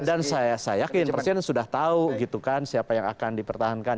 dan saya yakin persis sudah tahu gitu kan siapa yang akan dipertahankan